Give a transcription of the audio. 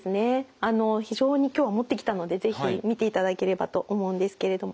あの非常に今日は持ってきたので是非見ていただければと思うんですけれども。